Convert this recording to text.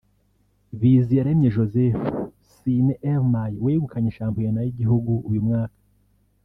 Biziyaremye Joseph (Cine Elmay) wegukanye shampiyona y’igihugu uyu mwaka